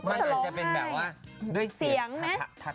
มันอาจจะเป็นแบบวะเสียงนะ